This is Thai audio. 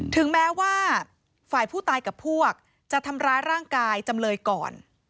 ถึงแม้ว่าฝ่ายผู้ตายกับพวกจะทำร้ายร่างกายจำเลยก่อน